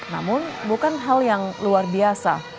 namun bukan hal yang luar biasa